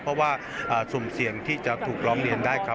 เพราะว่าสุ่มเสี่ยงที่จะถูกร้องเรียนได้ครับ